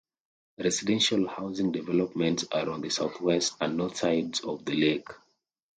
Residential housing developments are on the southwest and north sides of the lake.